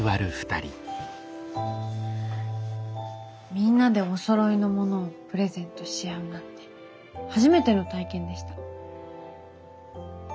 みんなでおそろいのものをプレゼントし合うなんて初めての体験でした。